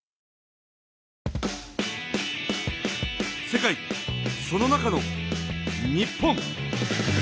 世界その中の日本。